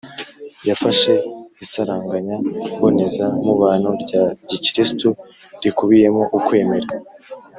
yafashe isaranganya mboneza mubano rya gikristu rikubiyemo ukwemera,